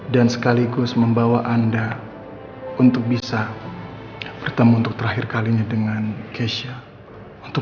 dan sekaligus membawa anda untuk bisa bertemu untuk terakhir kalinya dengan kesya untuk